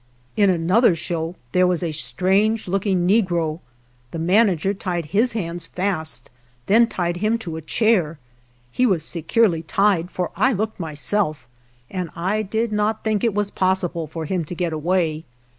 In another show there was a strange look ing negro. The manager tied his hands fast, then tied him to a chair. He was se curely tied, for I looked myself, and I did not think it was possible for him to get away.